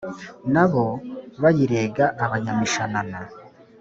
na bo bayirega Abanyamishanana;